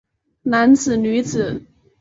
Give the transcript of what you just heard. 男子女子